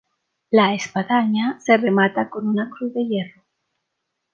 La espadaña se remata con una cruz de hierro.